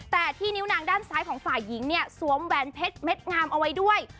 แต่ที่นิ้วนางด้านซ้ายของฝ่ายหญิงเนี่ยสวมแหวนเพชรเม็ดงามเอาไว้ด้วย